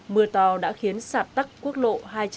mưa to đã khiến sạt tắc quốc lộ